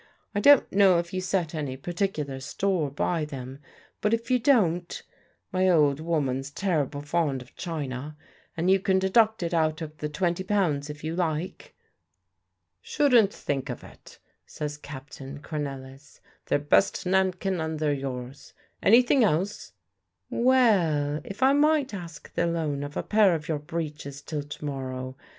I don't know if you set any particular store by them; but if you don't, my old woman's terrible fond of china, and you can deduct it out of the twenty pounds, it you like." "Shouldn't think of it," says Captain Cornelisz; "they're best Nankin, and they're yours. Anything else?" "Well, if I might ask the loan of a pair of your breeches till to morrow.